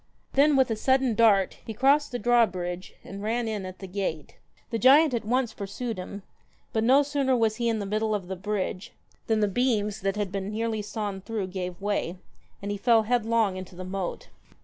Then, with a sudden dart, he crossed the drawbridge and ran in at the gate. The giant at once pursued him ; but no sooner was he in the middle of the bridge, than the beams that had been nearly sawn through gave way, and he fell headlong into the moat.